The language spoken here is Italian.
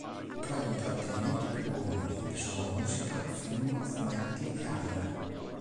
Tra gli intrattenimenti più comuni vi sono musica, film, fumetti e anime.